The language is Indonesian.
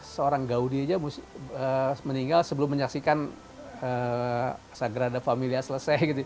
seorang gaudi aja meninggal sebelum menyaksikan sagrada familia selesai gitu